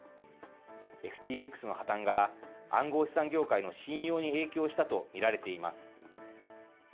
ＦＴＸの破綻が暗号資産業界の信用に影響したと見られています。